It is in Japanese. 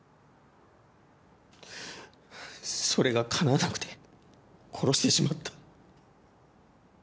それがかなわなくて殺してしまった。